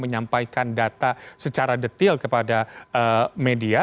menyampaikan data secara detail kepada media